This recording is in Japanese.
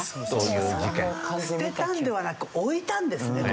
捨てたんではなく置いたんですね